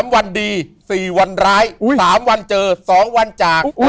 ๓วันดี๔วันร้าย๓วันเจอ๒วันจาก